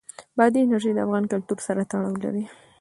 بادي انرژي د افغان کلتور سره تړاو لري.